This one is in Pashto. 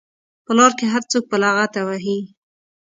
په لار کې هر څوک په لغته وهي.